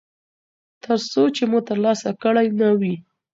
ترڅو چې مو ترلاسه کړی نه وي.